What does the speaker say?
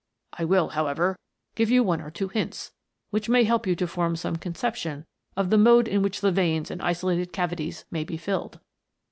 I will, however, give you one or two hints, which may help you to form some con ception of the mode in which the veins and isolated cavities may be filled.